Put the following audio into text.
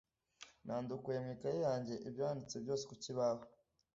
nandukuye mu ikaye yanjye ibyo yanditse byose ku kibaho